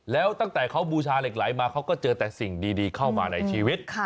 แล้วตั้งแต่เขาบูชาเหล็กไหลมาเขาก็เจอแต่สิ่งดีเข้ามาในชีวิต